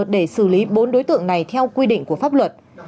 để xử lý bốn đối tượng này theo quy định của pháp luật